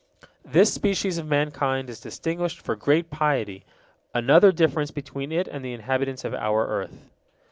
This species of mankind is distinguished for great piety, another difference between it and the inhabitants of our earth.